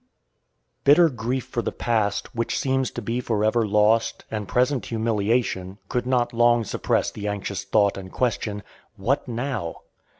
Bitter grief for the past, which seemed to be forever lost, and present humiliation, could not long suppress the anxious thought and question, "What now?"